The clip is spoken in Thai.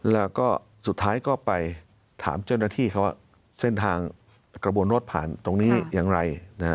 แล้วก็สุดท้ายก็ไปถามเจ้าหน้าที่เขาว่าเส้นทางกระบวนรถผ่านตรงนี้อย่างไร